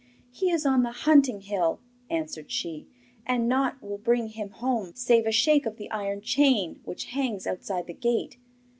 'He is on the hunting hill,' answered she; 'and nought will bring him home save a shake of the iron chain which hangs outside the gate.